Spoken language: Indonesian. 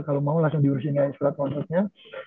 kalau mau langsung diurusin ya selat selatnya